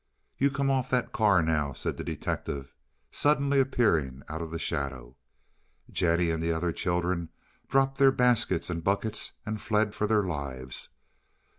"You come off that car now," said the detective, suddenly appearing out of the shadow. Jennie and the other children dropped their baskets and buckets and fled for their lives.